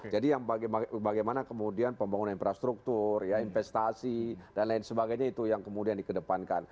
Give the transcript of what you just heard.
jadi yang bagaimana kemudian pembangunan infrastruktur ya investasi dan lain sebagainya itu yang kemudian di kedepankan